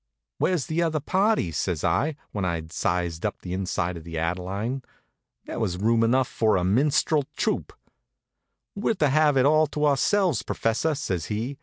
"Where's the other parties?" says I, when I'd sized up the inside of the Adeline. There was room enough for a minstrel troupe. "We're to have it all to ourselves, professor," says he.